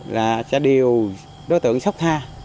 là sẽ điều đối tượng sóc tha